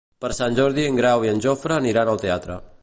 Per Sant Jordi en Grau i en Jofre aniran al teatre.